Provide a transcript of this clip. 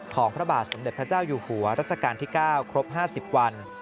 พระบาทสมเด็จพระเจ้าอยู่หัวรัชกาลที่๙ครบ๕๐วัน